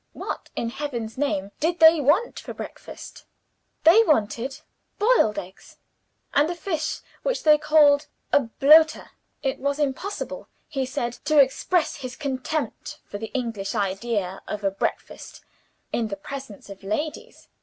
What, in heaven's name, did they want for breakfast? They wanted boiled eggs; and a fish which they called a Bloaterre. It was impossible, he said, to express his contempt for the English idea of a breakfast, in the presence of ladies.